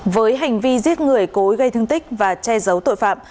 với hành vi giết người cố gây thương tích và che giấu tội phạm